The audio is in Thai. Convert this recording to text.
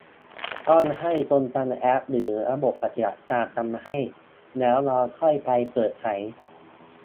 ต้องให้คนทำแอปหรือระบบปฏิบัติการทำให้ แล้วเราค่อยไปเปิดใช้